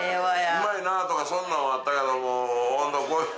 うまいなとかそんなんはあったけど。